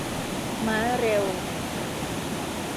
ม้าเร็ว